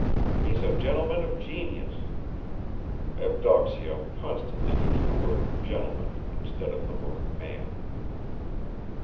He's a gentleman of genius. (Evdoksya constantly used the word "gentleman" instead of the word "man.")